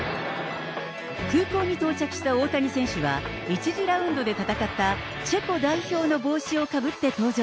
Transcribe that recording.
空港に到着した大谷選手は、１次ラウンドで戦ったチェコ代表の帽子をかぶって登場。